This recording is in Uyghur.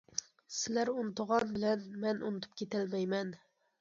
سىلەر ئۇنتۇغان بىلەن مەن ئۇنتۇپ كېتەلمەيمەن.